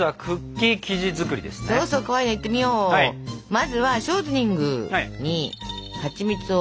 まずはショートニングにはちみつを。